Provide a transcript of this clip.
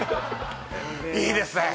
いいですね